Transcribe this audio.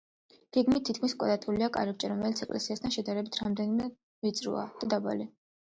გეგმით თითქმის კვადრატულია კარიბჭე, რომელიც ეკლესიასთან შედარებით, რამდენადმე ვიწროა და დაბალი.